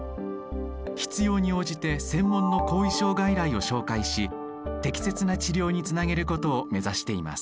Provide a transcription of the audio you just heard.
必要に応じて専門の後遺症外来を紹介し適切な治療につなげることを目指しています。